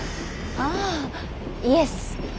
あぁイエス。